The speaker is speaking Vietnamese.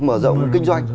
mở rộng kinh doanh